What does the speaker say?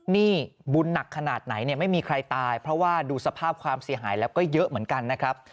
นี่บุญหนักขนาดไหนเนี่ยไม่มีใครตายเพราะว่าดูสภาพความเสียหายแล้วก็เยอะเหมือนกันนะครับ